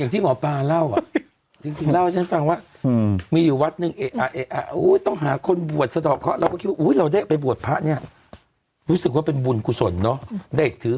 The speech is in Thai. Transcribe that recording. ผมต้องเรียกว่าภะพิดาไม่ต้องเรียกว่าภะพิดอไม่ได้นะ